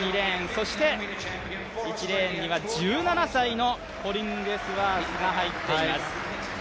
そして１レーンには１７歳のホリングスワースが入っています。